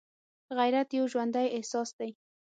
غیرت یو ژوندی احساس دی